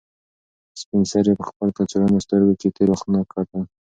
سپین سرې په خپل کڅوړنو سترګو کې تېر وختونه کتل.